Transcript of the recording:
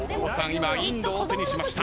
今インドを手にしました。